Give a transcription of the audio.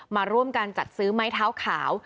มาร่วมกันจัดซื้อไม้เท้าขาว